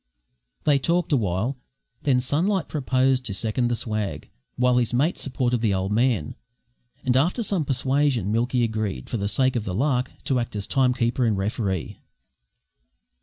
They talked awhile; then Sunlight proposed to second the swag, while his mate supported the old man, and after some persuasion, Milky agreed, for the sake of the lark, to act as time keeper and referee.